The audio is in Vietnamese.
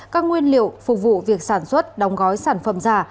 các nguyên liệu phục vụ việc sản xuất đóng gói sản phẩm giả